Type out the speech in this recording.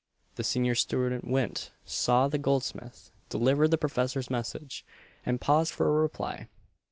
The senior student went, saw the goldsmith, delivered the professor's message, and paused for a reply.